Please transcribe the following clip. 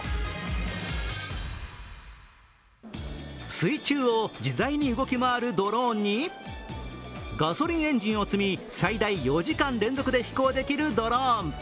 水中を自在に動き回るドローンに、ガソリンエンジンを積み、最大４時間連続で飛行できるドローン。